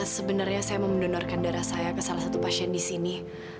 sebenarnya saya mau mendonorkan darah saya ke salah satu pasien di sini